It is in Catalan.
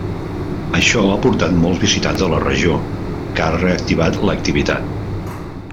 Això ha portat molts visitants a la regió, que ha reactivat l'activitat.